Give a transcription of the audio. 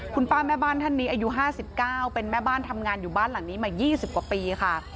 คุณป้าแม่บ้านท่านนี้อายุ๕๙เป็นแม่บ้านทำงานอยู่บ้านหลังนี้มา๒๐กว่าปีค่ะ